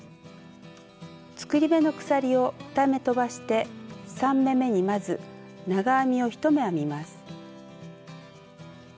作り目の鎖を２目とばして３目めにまず長編みを１目編みます。